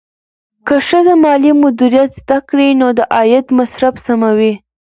که ښځه مالي مدیریت زده کړي، نو د عاید مصرف سموي.